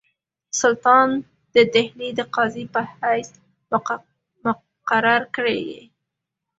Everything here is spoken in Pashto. سلطان د ډهلي د قاضي په حیث مقرر کړی یې.